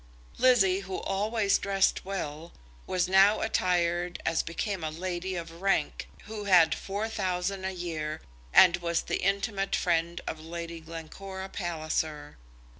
Lizzie, who always dressed well, was now attired as became a lady of rank, who had four thousand a year, and was the intimate friend of Lady Glencora Palliser.